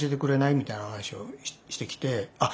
みたいな話をしてきてあっ